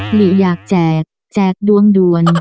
หลีอยากแจกแจกดวงด่วน